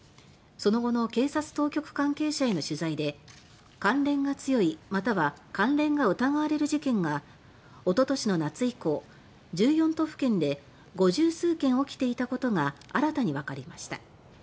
その後の警察当局関係者への取材で関連が強いまたは関連が疑われる事件がおととしの夏以降、１４都府県で５０数件起きていたことが新たにわかりました。